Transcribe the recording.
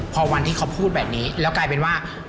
พอวันที่เขาพูดแบบนี้แล้วกลายเป็นว่า